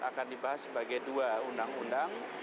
akan dibahas sebagai dua undang undang